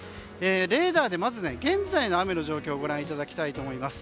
レーダーでまず現在の雨の状況をご覧いただきたいと思います。